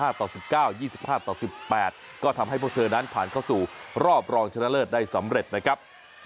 ต่อ๑๙๒๕ต่อ๑๘ก็ทำให้พวกเธอนั้นผ่านเข้าสู่รอบรองชนะเลิศได้สำเร็จนะครับ